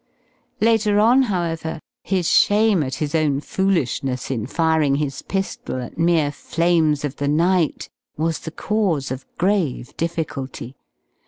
Later on, however, his shame at his own foolishness in firing his pistol at mere flames of the night was the cause of grave difficulty.